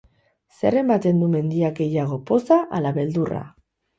Zer ematen du mendiak gehiago, poza ala beldurra?